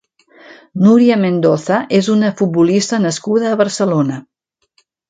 Núria Mendoza és una futbolista nascuda a Barcelona.